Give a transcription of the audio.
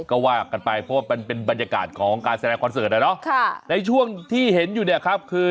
ก็ว่ากันไปเพราะว่ามันเป็นบรรยากาศของการแสดงคอนเสิร์ตอ่ะเนาะในช่วงที่เห็นอยู่เนี่ยครับคือ